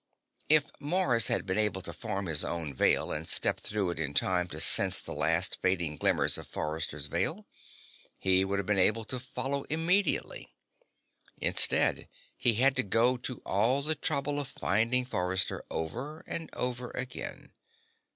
If Mars had been able to form his own Veil and step through it in time to sense the last fading glimmers of Forrester's Veil, he would have been able to follow immediately. Instead, he had to go to all the trouble of finding Forrester over and over again.